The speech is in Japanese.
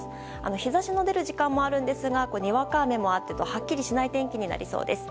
日差しの出る時間もありますがにわか雨もあってはっきりしない天気になりそうです。